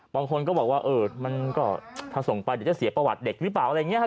บางคนก็บอกว่าเออมันก็ถ้าส่งไปเดี๋ยวจะเสียประวัติเด็กหรือเปล่าอะไรอย่างนี้ครับ